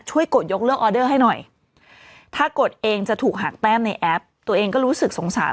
ช่วยกดยกเลือกให้หน่อยถ้ากดเองจะถูกหางแป้นในตัวเองก็รู้สึกสงสาร